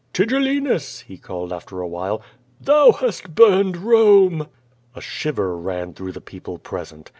"Tigellinus," he called after a while, "thou hast burned Rome!" A shiver ran through the people present.